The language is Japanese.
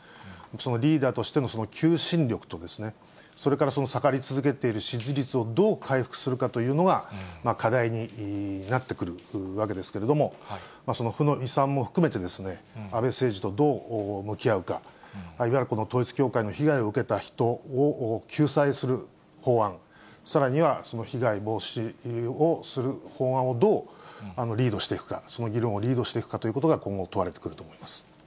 そのリーダーとしての求心力と、それから下がり続けている支持率をどう回復するかというのが、課題になってくるわけですけれども、その負の遺産も含めて、安倍政治とどう向き合うか、いわゆるこの統一教会の被害を受けた人を救済する法案、さらにはその被害防止をする法案をどうリードしていくか、その議論をリードしていくかということが今後、問われてくると思います。